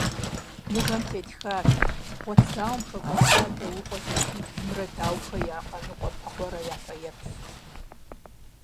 Мывэм тетхат: «Гъуэт зауэм хэкӏуэда Даукъуэ зэшиблымрэ Даухэ я къаныкъуэ Пэкъуэрэ я фэеплъ» .